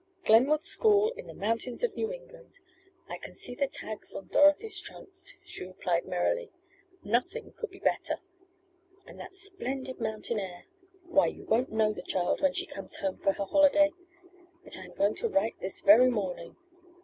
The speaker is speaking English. "Glenwood School, in the mountains of New England! I can see the tags on Dorothy's trunks," she replied merrily. "Nothing could be better. And that splendid mountain air! Why, you won't know the child when she comes home for her holiday. But I am going to write this very morning.